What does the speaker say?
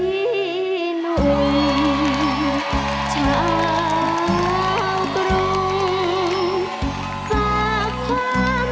มีหนุ่มเจ้ากรุง